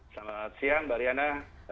selamat siang mbak riana